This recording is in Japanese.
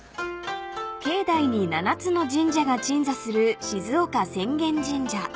［境内に７つの神社が鎮座する静岡浅間神社］